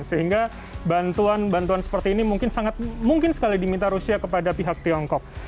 sehingga bantuan bantuan seperti ini mungkin sangat mungkin sekali diminta rusia kepada pihak tiongkok